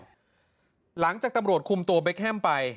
ทำร้ายชาวบ้านซะก่อนหลังจากตำรวจคุมตัวเบคแฮมไป